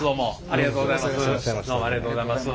ありがとうございます。